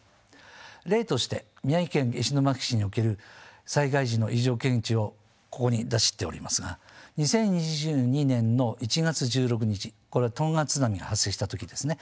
例として宮城県石巻市における災害時の異常検知をここに出しておりますが２０２２年の１月１６日これはトンガ津波が発生した時ですね。